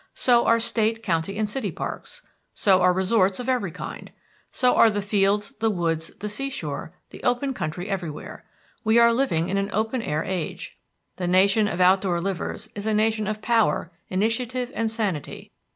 So are state, county and city parks. So are resorts of every kind. So are the fields, the woods, the seashore, the open country everywhere. We are living in an open air age. The nation of outdoor livers is a nation of power, initiative, and sanity.